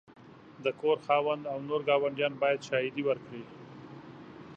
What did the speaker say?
د کور خاوند او نور ګاونډیان باید شاهدي ورکړي.